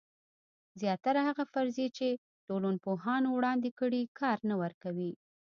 زیاتره هغه فرضیې چې ټولنپوهانو وړاندې کړي کار نه ورکوي.